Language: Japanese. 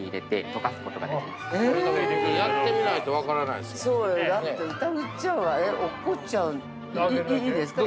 ◆やってみないと分からないですよ。